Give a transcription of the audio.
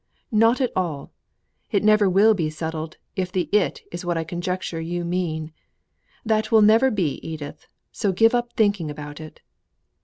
not at all. It never will be settled, if the 'it' is what I conjecture you mean. That will never be, Edith, so give up thinking about it."